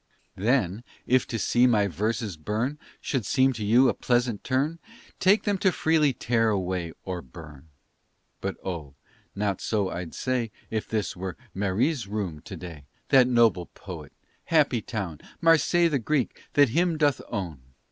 Then if to see my verses burn, Should seem to you a pleasant turn, Take them to freely tear away Or burn. But, oh! not so I'd say, If this were Méry's room to day. That noble poet! Happy town, Marseilles the Greek, that him doth own!